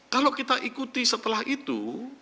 kalau kita ikuti setelah itu